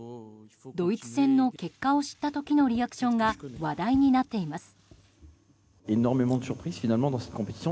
ドイツ戦の結果を知った時のリアクションが話題になっています。